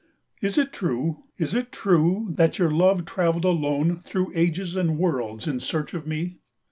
Is it true, is it true, that your love travelled alone through ages and worlds in search of me?